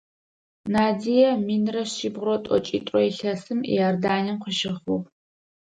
Надия минрэ шъибгъурэ тӏокӏитӏурэ илъэсым Иорданием къыщыхъугъ.